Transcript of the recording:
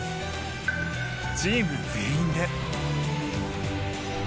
チーム全員で。